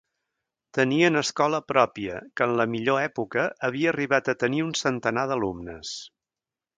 Tenien escola pròpia que en la millor època havia arribat a tenir un centenar d'alumnes.